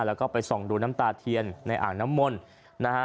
แล้วก็ไปส่องดูน้ำตาเทียนในอ่างน้ำมนต์นะฮะ